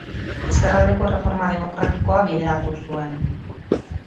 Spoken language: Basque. Ezkerraldeko erreforma demokratikoa bideratu zuen.